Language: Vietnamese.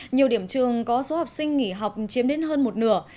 nhiều điểm trường có số học sinh nghỉ học chiếm đến hơn một nửa